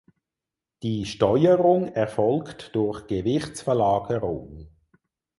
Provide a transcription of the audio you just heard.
Die Steuerung erfolgt durch Gewichtsverlagerung.